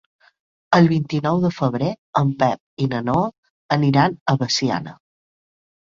El vint-i-nou de febrer en Pep i na Noa aniran a Veciana.